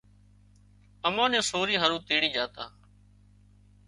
امان نين سوري هارو تيڙي جھا تا